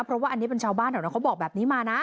เพราะว่าอันนี้เป็นชาวบ้านแถวนั้นเขาบอกแบบนี้มานะ